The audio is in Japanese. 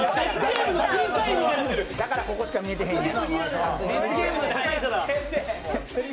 だからここしか見えてへんねや。